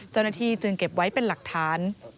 เจ้าหน้าที่จึงเก็บไว้เป็นหลักฐาน